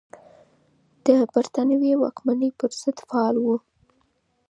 د بریتانوي واکمنۍ پر ضد فعال و.